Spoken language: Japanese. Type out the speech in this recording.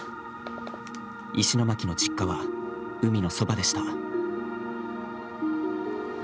石巻の実家は、海のそばでした。